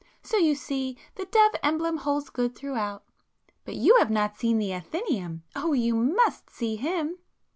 So you see the dove emblem holds good throughout. But you have not seen the 'Athenæum,'—oh, you must see him!"